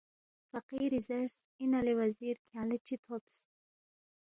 فقیری زیرس، اِنا لے وزیر کھیانگ لہ چِہ تھوبس؟